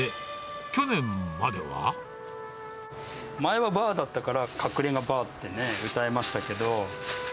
前はバーだったから、隠れがバーってね、うたいましたけど。